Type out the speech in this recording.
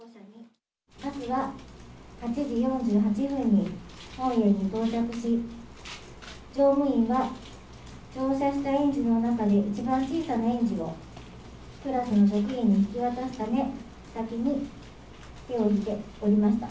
バスは８時４８分に本園に到着し、乗務員は乗車した園児の中で一番小さな園児をクラスの職員に引き渡すため、先に手を引いて降りました。